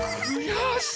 よし！